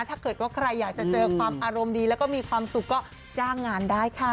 ถ้าเกิดว่าใครอยากจะเจอความอารมณ์ดีแล้วก็มีความสุขก็จ้างงานได้ค่ะ